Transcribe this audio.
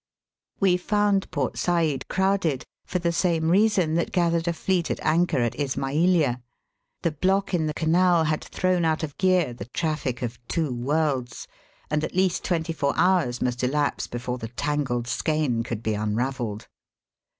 We found Port Said crowded for the same reason that gathered a fleet at anchor at Ismailia, The block in the Canal had thrown out of gear the traffic of two worlds, and at least twenty four hours must elapse before Digitized by VjOOQIC THBOUGH THE SUEZ CANAL. 355 the tangled skein could be unravelled.